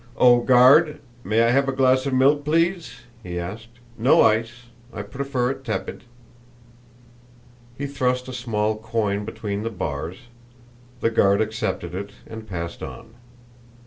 "Oh, Guard, may I have a glass of milk, please?" he asked. "No ice. I prefer it tepid." He thrust a small coin between the bars; the guard accepted it and passed on.